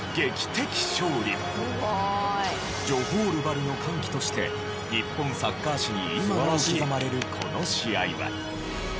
すごい！ジョホールバルの歓喜として日本サッカー史に今なお刻まれるこの試合は。